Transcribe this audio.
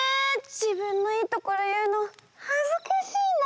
じぶんのいいところいうのはずかしいな。